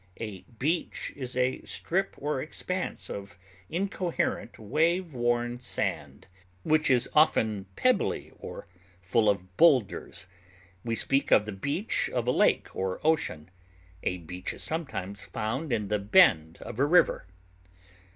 A beach is a strip or expanse of incoherent wave worn sand, which is often pebbly or full of boulders; we speak of the beach of a lake or ocean; a beach is sometimes found in the bend of a river.